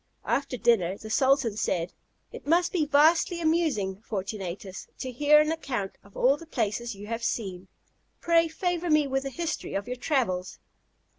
After dinner, the sultan said: "It must be vastly amusing, Fortunatus, to hear an account of all the places you have seen; pray favour me with a history of your travels."